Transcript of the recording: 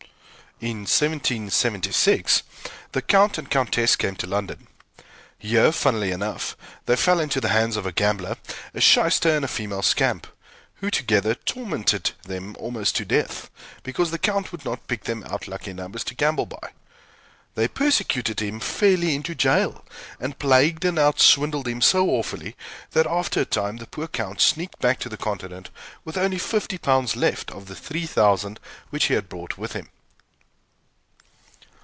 In 1776, the Count and Countess came to London. Here, funnily enough, they fell into the hands of a gambler, a shyster, and a female scamp, who together tormented them almost to death, because the Count would not pick them out lucky numbers to gamble by. They persecuted him fairly into jail, and plagued and outswindled him so awfully, that, after a time, the poor Count sneaked back to the Continent with only fifty pounds left out of three thousand which he had brought with him.